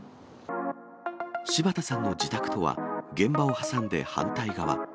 柴田さんの自宅とは現場を挟んで反対側。